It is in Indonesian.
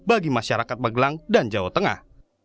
bagi masyarakat magelang dan jawa tengah